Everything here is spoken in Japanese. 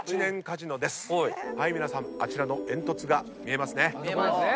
皆さんあちらの煙突が見えますね。